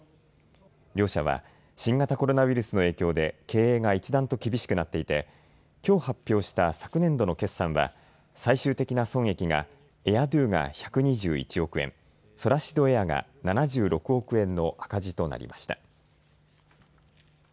両社は新型コロナウイルスの影響で経営が一段と厳しくなっていてきょう発表した昨年度の決算は最終的な損益がエア・ドゥが１２１億円、ソラシドエアが７６億円の赤字となりました。